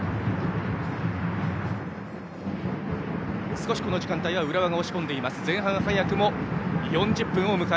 少しこの時間帯は浦和が押し込んでいます。